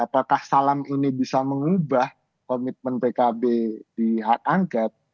apakah salam ini bisa mengubah komitmen pkb di hak angket